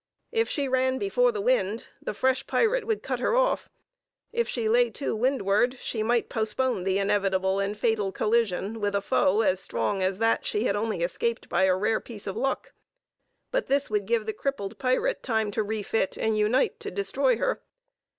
If she ran before the wind, the fresh pirate would cut her off: if she lay to windward, she might postpone the inevitable and fatal collision with a foe as strong as that she had only escaped by a rare piece of luck; but this would give the crippled pirate time to refit and unite to destroy her.